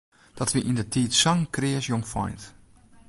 Dat wie yndertiid sa'n kreas jongfeint.